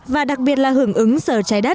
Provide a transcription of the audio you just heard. và đặc biệt là hưởng ứng sở trái đất